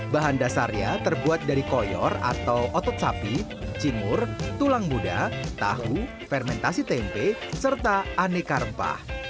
bahan dasarnya terbuat dari koyor atau otot sapi cingur tulang muda tahu fermentasi tempe serta aneka rempah